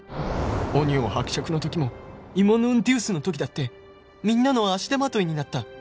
「オニオン伯爵の時も芋ヌンティウスの時だってみんなの足手まといになった」